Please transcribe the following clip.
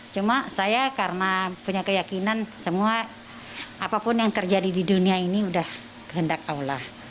cuma saya karena punya keyakinan semua apapun yang terjadi di dunia ini udah kehendak allah